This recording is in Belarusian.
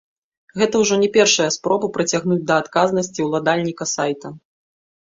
Гэта ўжо не першая спроба прыцягнуць да адказнасці ўладальніка сайта.